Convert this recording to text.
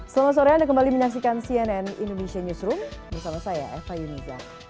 selamat sore anda kembali menyaksikan cnn indonesia newsroom bersama saya eva yuniza